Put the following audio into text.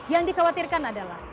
yang dikhawatirkan adalah